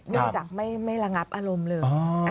เนื่องจากไม่ระงับอารมณ์เลย